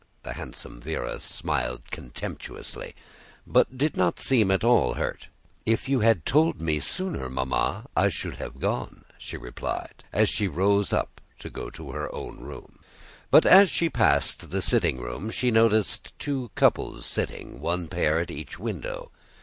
The handsome Véra smiled contemptuously but did not seem at all hurt. "If you had told me sooner, Mamma, I would have gone," she replied as she rose to go to her own room. But as she passed the sitting room she noticed two couples sitting, one pair at each window.